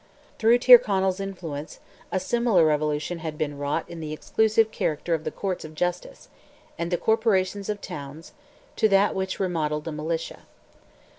Through Tyrconnell's influence, a similar revolution had been wrought in the exclusive character of the courts of justice, and the corporations of towns, to that which remodelled the militia.